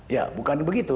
ya bukan begitu